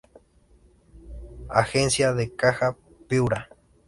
Agencia de Caja Piura.